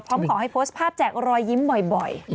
พร้อมขอให้โพสต์ภาพแจกรอยยิ้มบ่อย